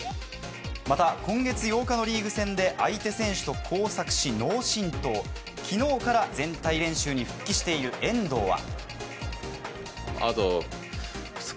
また、今月８日のリーグ戦で相手選手と交錯し脳しんとう、昨日から全体練習に復帰している遠藤は。